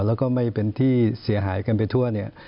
แล้วก็ไม่เป็นที่เสียหายกันไปทั่วเนี่ย